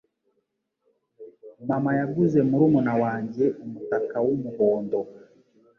Mama yaguze murumuna wanjye umutaka wumuhondo.